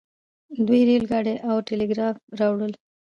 دوی ریل ګاډی او ټیلیګراف راوړل.